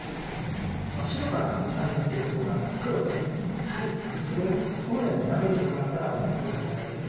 白から打ち始めてるとこなんで黒もそこまでのダメージを食らったかというとそうでもないですけど。